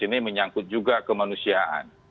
ini menyangkut juga kemanusiaan